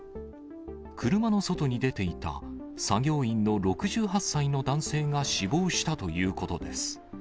車の外に出ていた作業員の６８歳の男性が死亡したということです。